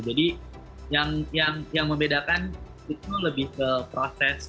jadi yang membedakan itu lebih ke proses